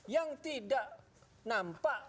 yang tidak nampak